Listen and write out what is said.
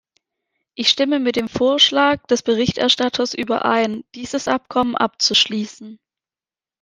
Ich stimme mit dem Vorschlag des Berichterstatters überein, dieses Abkommen abzuschließen.